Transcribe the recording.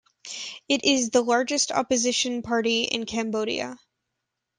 It is the largest opposition party in Cambodia.